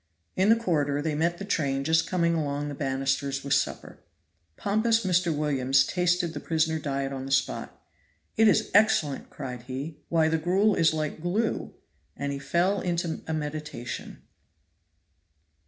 In the corridor they met the train just coming along the banisters with supper. Pompous Mr. Williams tasted the prison diet on the spot. "It is excellent," cried he; "why the gruel is like glue." And he fell into a meditation.